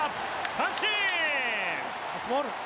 三振！